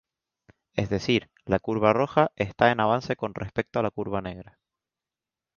Es decir, la curva roja está en avance con respecto a la curva negra.